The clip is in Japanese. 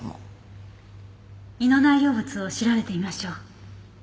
胃の内容物を調べてみましょう。